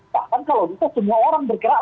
bahkan kalau bisa semua orang bergerak